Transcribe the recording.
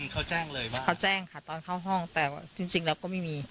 เขาแจ้งเลยว่าเขาแจ้งค่ะตอนเข้าห้องแต่ว่าจริงแล้วก็ไม่มี